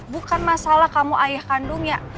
bukan masalah kamu ayah kandungnya